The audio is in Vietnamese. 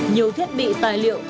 nhiều thiết bị tài liệu liên quan